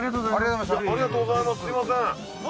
すいません」